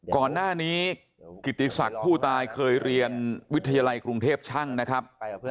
ก่อนหน้านี้กิติศักดิ์ผู้ตายเคยเรียนวิทยาลัยกรุงเทพช่างนะครับ